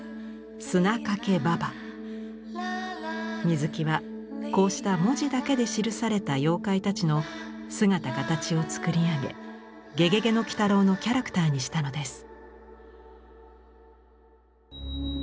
水木はこうした文字だけで記された妖怪たちの姿・形をつくり上げ「ゲゲゲの鬼太郎」のキャラクターにしたのです。